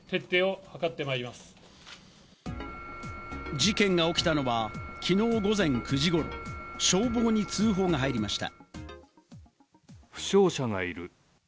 事件が起きたのは、きのう午前９時ごろ、消防に通報が入りました。